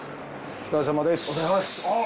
お疲れさまですあっ。